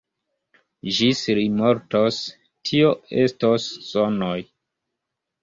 Ĝis li mortos, tio estos sonoj.